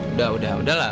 udah udah udah lah